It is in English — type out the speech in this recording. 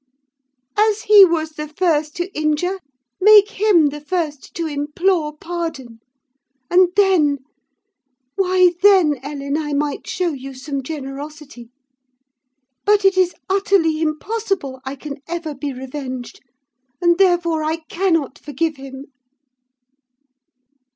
As he was the first to injure, make him the first to implore pardon; and then—why then, Ellen, I might show you some generosity. But it is utterly impossible I can ever be revenged, and therefore I cannot forgive him.